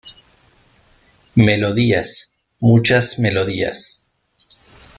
Melodías, muchas melodías.